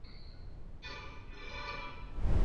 ډیپلوماټان کله د فردي مالکیت حق ورکوي؟